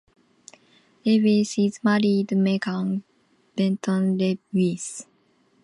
Lewis is married to Megan Benton Lewis.